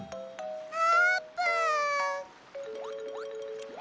あーぷん。